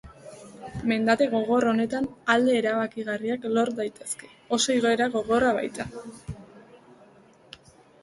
Mendate gogor honetan alde erabakigarriak lor daitezke, oso igoera gogorra baita.